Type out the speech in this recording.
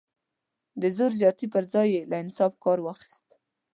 د زور زیاتي پر ځای یې له انصاف کار واخیست.